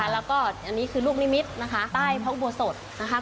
แล้วก็อันนี้คือลูกนิมิตรนะคะใต้พระอุโบสถนะคะ